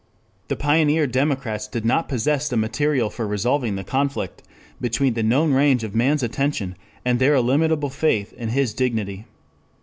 The pioneer democrats did not possess the material for resolving the conflict between the known range of man's attention and their illimitable faith in his dignity.